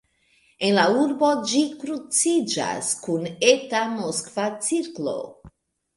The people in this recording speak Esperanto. En la urbo ĝi kruciĝas kun Eta Moskva cirklo.